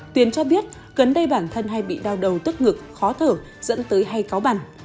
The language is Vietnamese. tuyền cho biết cấn đầy bản thân hay bị đau đầu tức ngực khó thở dẫn tới hay cáo bằn